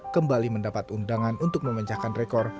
kembali mendapat undangan untuk memecahkan rekor